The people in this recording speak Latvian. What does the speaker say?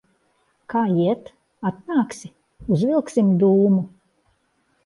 Kā iet? Atnāksi, uzvilksim dūmu?